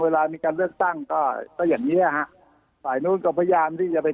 เวลามีการเลือกตั้งก็ก็อย่างเงี้ยฮะฝ่ายนู้นก็พยายามที่จะไป